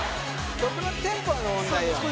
曲のテンポの問題よ